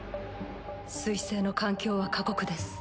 水星の環境は過酷です。